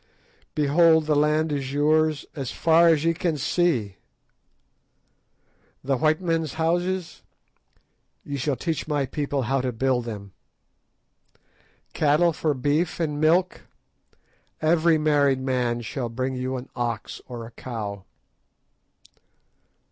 Behold, the land is yours as far as ye can see. The white man's houses? Ye shall teach my people how to build them. Cattle for beef and milk? Every married man shall bring you an ox or a cow.